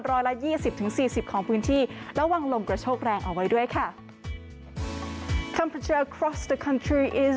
รอยละ๒๐๔๐ของพื้นที่